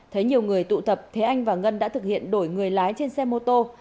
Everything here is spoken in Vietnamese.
thấy nhiều người tụ tập thế anh và ngân đã thực hiện đổi người lái trên xe mô tô